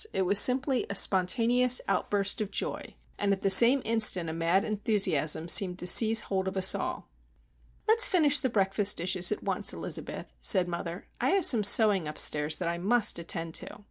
It was simply a spontaneous outburst of joy; and at the same instant a mad enthusiasm seemed to seize hold of us all. "Let's finish the breakfast dishes at once, Elizabeth," said mother. "I have some sewing upstairs that I must attend to."